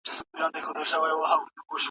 په خپل کسب فخر وکړئ.